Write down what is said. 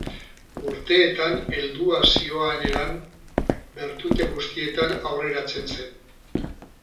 Urteetan helduaz zihoan eran, bertute guztietan aurreratzen zen.